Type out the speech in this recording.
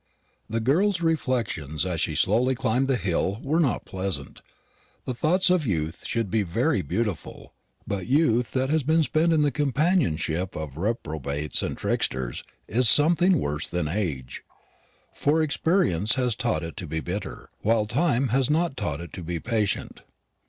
The girl's reflections as she slowly climbed the hill were not pleasant. The thoughts of youth should be very beautiful; but youth that has been spent in the companionship of reprobates and tricksters is something worse than age; for experience has taught it to be bitter, while time has not taught it to be patient.